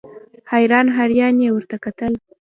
حیران حیران یې ورته کتل.